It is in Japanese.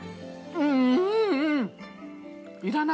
うん。